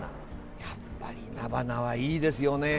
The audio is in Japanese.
やっぱり、菜花はいいですよね。